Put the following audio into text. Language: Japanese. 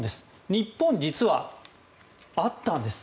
日本、実はあったんです。